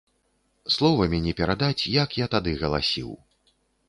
Словамі не перадаць, як я тады галасіў!